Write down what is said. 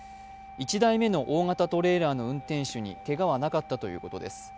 １台目の大型トレーラーの運転手にけがはなかったということです。